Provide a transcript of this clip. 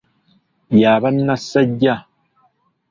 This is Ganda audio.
Y'aba nassajja.